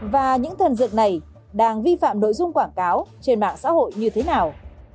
và những thần dược này đang vi phạm nội dung quảng cáo trên mạng xã hội như thế nào